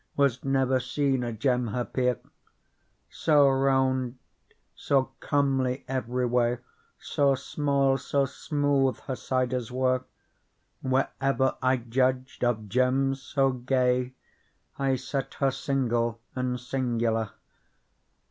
Was never seen a gem her peer ; So round, so comely every way. So small, so smootlr her sides were. Wherever I judged of gems so gay, I set her single and singular.